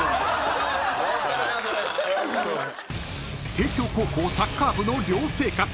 ［帝京高校サッカー部の寮生活］